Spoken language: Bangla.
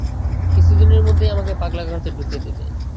কিছুদিনের মধ্যেই আমাকে পাগলা গারদে ঢুকিয়ে দেবে।